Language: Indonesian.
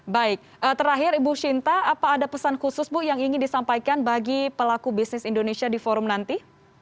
baik terakhir ibu shinta apa ada pesan khusus bu yang ingin disampaikan bagi pelaku bisnis indonesia di forum nanti